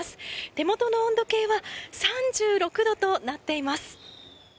手元の温度計は３６度となっています。